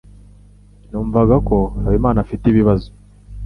Numvaga ko Habimana afite ibibazo.